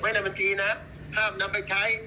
ห้ามนำไปใช้